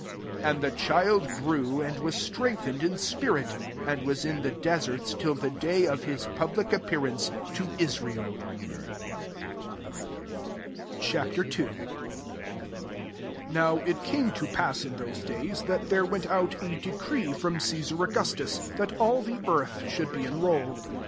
80 jind the child grew^ and Was strengthened in spirit ^^ and was in the deserts till the day qf his pubHc appearance to Israel, C*. II. \ M)W it came to pt^os in those days, that there went out d decree from Cesar AugUS' itus^ that all the eatth* should be eni*olied.